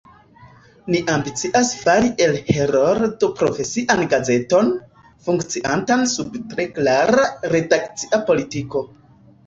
Ni ambicias fari el Heroldo profesian gazeton, funkciantan sub tre klara redakcia politiko.